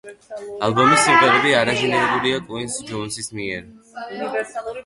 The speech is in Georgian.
ალბომის სიმღერები არანჟირებულია კუინსი ჯოუნსის მიერ.